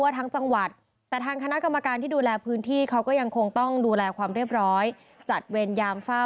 ว่างเวงเลยนะครับ